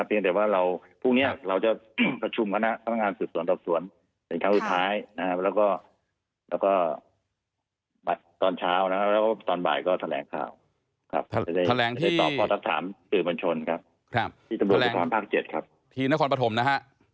เพียงแต่ว่าพรุ่งนี้เรา